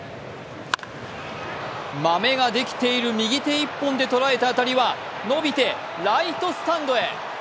マメができている右手一本で捉えた当たりは伸びてライトスタンドへ。